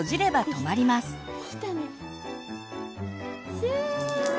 シューッ。